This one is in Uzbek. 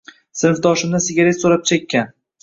Sinfdoshimdan sigaret soʻrab chekkan.